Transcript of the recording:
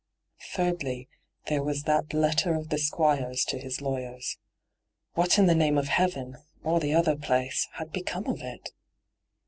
Thirdly, there was that letter of the Squire's to his lawyers. What in the name of heaven, or the other place, had become of it